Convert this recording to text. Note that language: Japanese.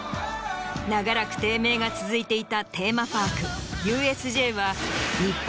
長らく低迷が続いていたテーマパークＵＳＪは。